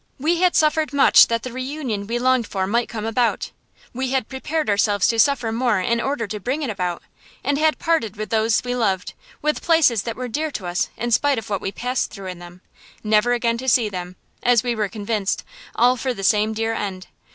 We had suffered much that the reunion we longed for might come about; we had prepared ourselves to suffer more in order to bring it about, and had parted with those we loved, with places that were dear to us in spite of what we passed through in them, never again to see them, as we were convinced all for the same dear end.